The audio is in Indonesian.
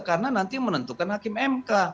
karena nanti menentukan hakim mk